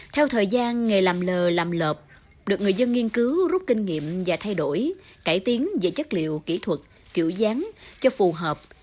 theo thời gian nghề làm lờ làm lợp được người dân nghiên cứu rút kinh nghiệm và thay đổi cải tiến về chất liệu kỹ thuật kiểu dáng cho phù hợp